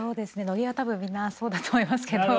野毛は多分みんなそうだと思いますけど。